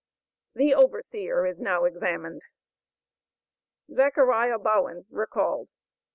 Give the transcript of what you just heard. THE OVERSEER IS NOW EXAMINED. Zachariah Bowen recalled.